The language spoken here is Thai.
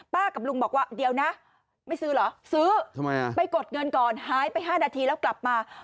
กับลุงบอกว่าเดี๋ยวนะไม่ซื้อเหรอซื้อทำไมอ่ะไปกดเงินก่อนหายไป๕นาทีแล้วกลับมา